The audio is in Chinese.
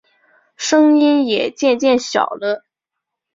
声音也渐渐小了